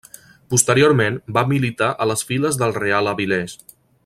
Posteriorment, va militar a les files del Real Avilés.